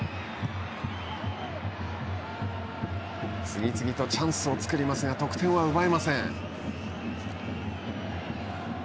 次々とチャンスを作りますが得点は奪えません。